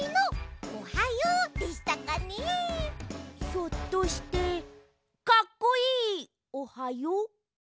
ひょっとして「かっこいいおはよう」？